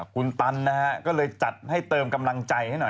คุณตันนะฮะก็เลยจัดให้เติมกำลังใจให้หน่อย